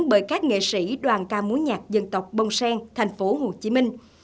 bởi các nghệ sĩ đoàn ca mối nhạc dân tộc bông sen thành phố hồ chí minh